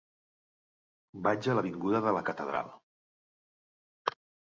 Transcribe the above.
Vaig a l'avinguda de la Catedral.